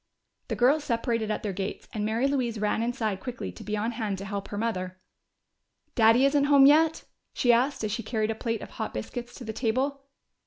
The girls separated at their gates, and Mary Louise ran inside quickly to be on hand to help her mother. "Daddy isn't home yet?" she asked, as she carried a plate of hot biscuits to the table.